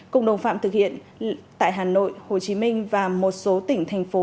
cùng đồng phạm thực hiện tại hà nội hồ chí minh và một số tỉnh thành phố